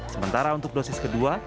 sementara untuk dosis kedua